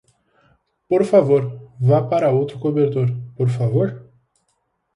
Por favor, vá para outro cobertor, por favor?